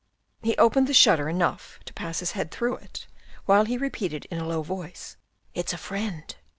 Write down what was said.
He opened the shutter enough to pass his head through it, while he repeated in a low voice, " It's a friend."